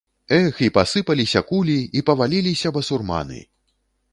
Эх, і пасыпаліся кулі, і паваліліся басурманы.